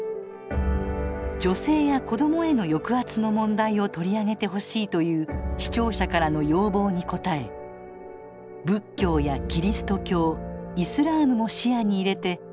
「女性や子どもへの抑圧の問題を取り上げてほしい」という視聴者からの要望に応え仏教やキリスト教イスラームも視野に入れて徹底討論します